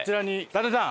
伊達さん！